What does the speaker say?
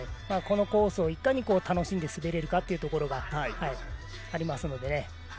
このコースをいかに楽しんで滑れるかというのがありますので。